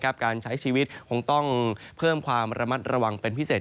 การใช้ชีวิตคงต้องเพิ่มความระมัดระวังเป็นพิเศษ